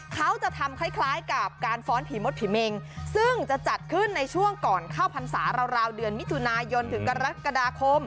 เขาจะทำคล้ายกับการฟ้อนผีมดผีเมงซึ่งจะจัดขึ้นในช่วงก่อนเข้าพรรษาราวเดือนมิถุนายนถึงกรกฎาคม